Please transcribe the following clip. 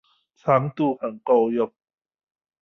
長度很夠用